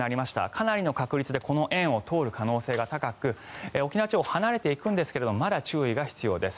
かなりの確率でこの円を通る可能性が高く沖縄地方から離れていくんですがまだ注意が必要です。